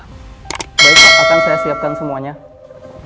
hai akan saya siapkan semuanya ya